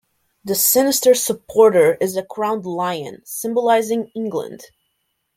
The sinister supporter is a crowned lion, symbolising England.